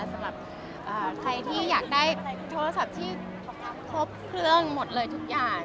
สำหรับใครที่อยากได้โทรศัพท์ที่ครบเครื่องหมดเลยทุกอย่าง